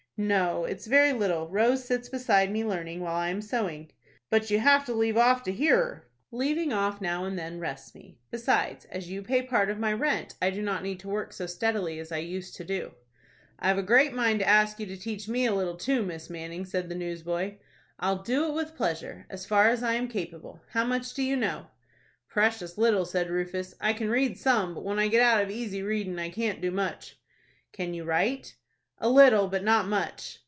"No, it is very little. Rose sits beside me, learning, while I am sewing." "But you have to leave off to hear her." "Leaving off now and then rests me. Besides, as you pay part of my rent, I do not need to work so steadily as I used to do." "I've a great mind to ask you to teach me a little, too, Miss Manning," said the newsboy. "I'll do it with pleasure, as far as I am capable. How much do you know?" "Precious little," said Rufus. "I can read some, but when I get out of easy reading I can't do much." "Can you write?" "A little, but not much."